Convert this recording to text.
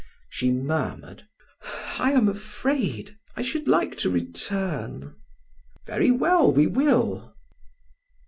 She murmured: "I am afraid; I should like to return." "Very well, we will."